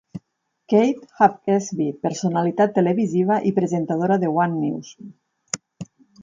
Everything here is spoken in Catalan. Kate Hawkesby, personalitat televisiva i presentadora de One News.